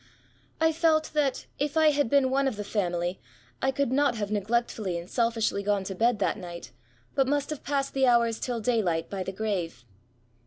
I felt that, if I had been one of the family, I could not have neglectfully and selfishly gone to bed that night, but must have passed the . hours till daylight by the grave.